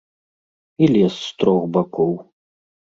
І лес з трох бакоў.